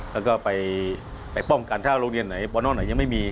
แล้วก็ไปป้องกันถ้าโรงเรียนไหนบอลอลไหนยังไม่มี